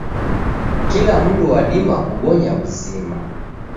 Kila mundu wadima kubonya w'uzima.